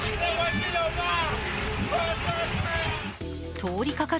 通りかかる